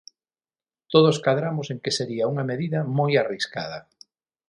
Todos cadramos en que sería unha medida moi arriscada.